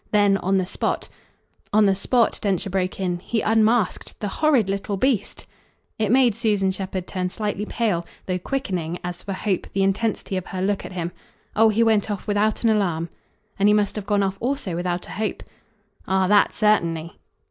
Then on the spot " "On the spot," Densher broke in, "he unmasked? The horrid little beast!" It made Susan Shepherd turn slightly pale, though quickening, as for hope, the intensity of her look at him. "Oh he went off without an alarm." "And he must have gone off also without a hope." "Ah that, certainly."